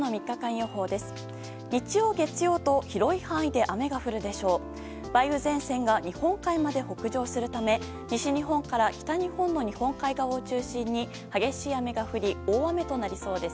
梅雨前線が日本海まで北上するため西日本から北日本の日本海側を中心に激しい雨が降り大雨となりそうです。